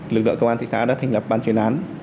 lực lượng công an thị xã đã thành lập bàn chuyển án